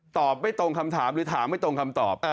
ไม่ตรงคำถามหรือถามไม่ตรงคำตอบ